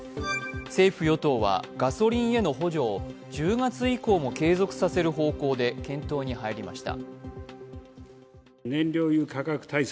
政府・与党はガソリンへの補助を１０月以降も継続させる方向で検討に入りました。